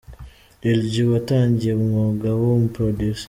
Lil G watangiye umwuga w'ubu 'Producer'.